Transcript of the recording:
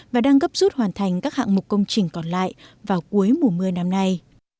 và đang gấp rút hoàn thành các hạng mục công trình còn lại vào cuối mùa mưa năm nay